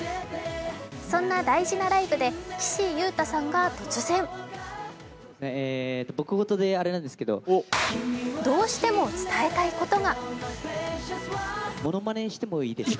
そんな大事なライブで岸優太さんが突然どうしても伝えたいことが。